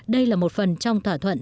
đây là một phần trong thỏa thuận